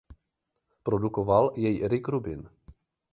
Produkoval jej Rick Rubin.